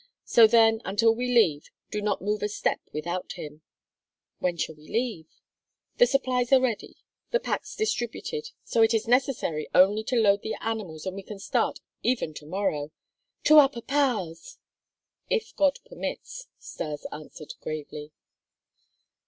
So then, until we leave, do not move a step without him." "When shall we leave?" "The supplies are ready; the packs distributed; so it is necessary only to load the animals and we can start even to morrow." "To our papas!" "If God permits," Stas answered gravely.